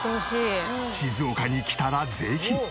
静岡に来たらぜひ！